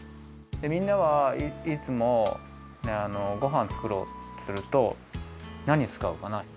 みんなはいつもごはんつくろうとするとなにつかうかな？